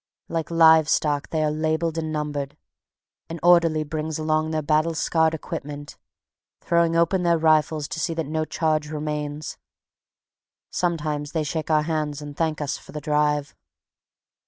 Like live stock, they are labeled and numbered. An orderly brings along their battle scarred equipment, throwing open their rifles to see that no charge remains. Sometimes they shake our hands and thank us for the drive.